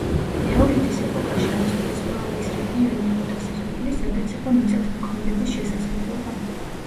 ნეოლითის ეპოქაში ავსტრიის ყველა ის რეგიონი იყო დასახლებული, სადაც იყო მიწათმოქმედების შესაძლებლობა.